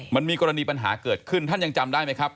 มันมีกรณีปัญหาเกิดขึ้นท่านยังจำได้ไหมครับ